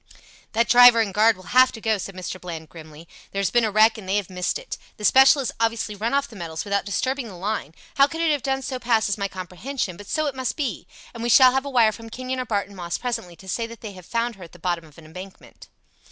"That driver and guard will have to go," said Mr. Bland, grimly. "There has been a wreck and they have missed it. The special has obviously run off the metals without disturbing the line how it could have done so passes my comprehension but so it must be, and we shall have a wire from Kenyon or Barton Moss presently to say that they have found her at the bottom of an embankment."